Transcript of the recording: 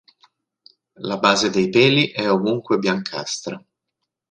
La base dei peli è ovunque biancastra.